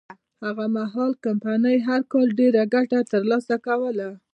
هغه مهال کمپنۍ هر کال ډېره ګټه ترلاسه کوله.